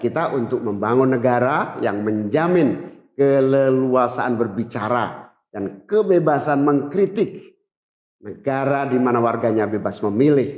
kita untuk membangun negara yang menjamin keleluasaan berbicara dan kebebasan mengkritik negara di mana warganya bebas memilih